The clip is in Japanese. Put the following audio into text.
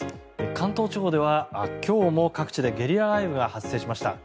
関東地方では今日も各地でゲリラ雷雨が発生しました。